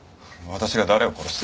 私が誰を殺した。